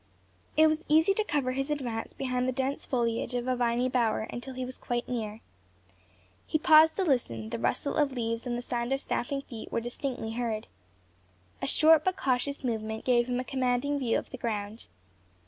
It was easy to cover his advance behind the dense foliage of a viny bower, until he was quite near. He paused to listen; the rustle of leaves and the sound of stamping feet were distinctly heard. A short but cautious movement gave him a commanding view of the ground.